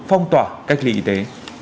phong tỏa cách ly y tế